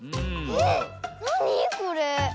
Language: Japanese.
えっなにこれ？